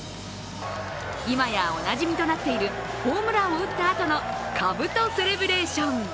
今やおなじみとなっているホームランを打ったあとのかぶとセレブレーション。